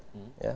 jadi memang ya